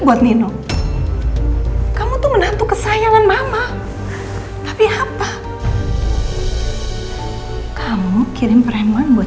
buat nino kamu tuh menantu kesayangan mama tapi apa kamu kirim preman buat